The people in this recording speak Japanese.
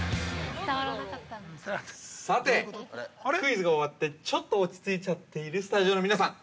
◆さて、クイズが終わって、ちょっと落ちついちゃっているスタジオの皆さん。